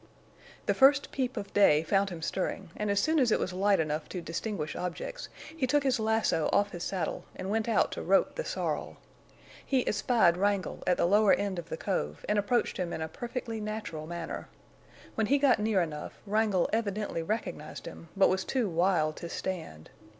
The first peep of day found him stirring, and as soon as it was light enough to distinguish objects, he took his lasso off his saddle and went out to rope the sorrel. He espied Wrangle at the lower end of the cove and approached him in a perfectly natural manner. When he got near enough, Wrangle evidently recognized him, but was too wild to stand.